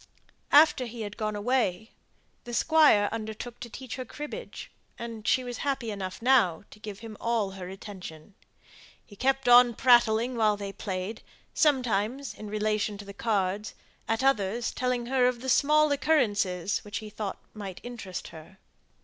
After he had gone away, the Squire undertook to teach her cribbage, and she was happy enough now to give him all her attention. He kept on prattling while they played; sometimes in relation to the cards; at others telling her of small occurrences which he thought might interest her.